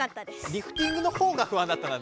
リフティングの方が不安だったんだ。